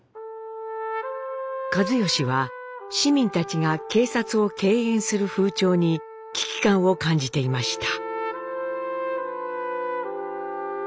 一嚴は市民たちが警察を敬遠する風潮に危機感を感じていました。